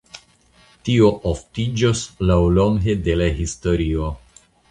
Tio oftiĝos laŭlonge de la historio.